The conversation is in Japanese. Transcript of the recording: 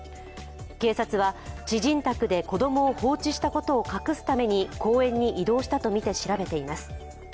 警察は、知人宅で子供を放置したことを隠すために公園に移動したとみて調べています。